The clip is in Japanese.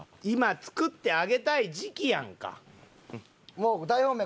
今作ってあげたい時期やんか。